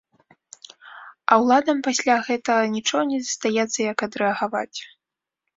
А ўладам пасля гэтага нічога не застаецца, як адрэагаваць.